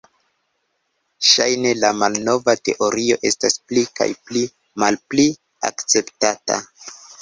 Ŝajne la malnova teorio estas pli kaj pli malpli akceptata.